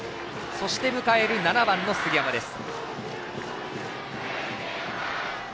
そして迎える７番の杉山です。